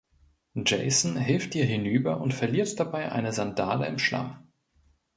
Jason hilft ihr hinüber und verliert dabei eine Sandale im Schlamm.